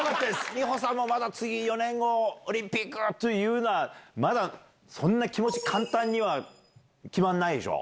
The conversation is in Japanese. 美帆さんもまだ次、４年後、オリンピックというのは、まだ、そんな気持ち、簡単には決まらないでしょ？